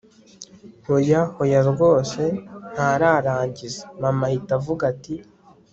hoya hoya rwose .. ntararangiza mama ahita avuga ati